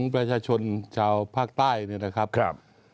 ประชาชนชาวภาคใต้เนี่ยนะครับ